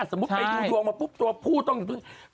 สมมุติไปดูดวงมาปุ๊บตัวผู้ต้องอยู่ด้านไหน